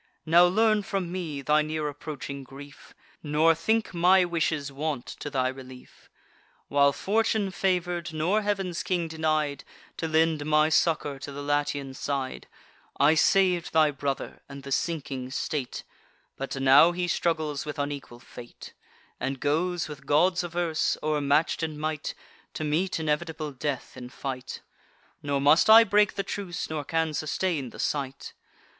Now learn from me thy near approaching grief, Nor think my wishes want to thy relief. While fortune favour'd, nor Heav'n's King denied To lend my succour to the Latian side, I sav'd thy brother, and the sinking state: But now he struggles with unequal fate, And goes, with gods averse, o'ermatch'd in might, To meet inevitable death in fight; Nor must I break the truce, nor can sustain the sight.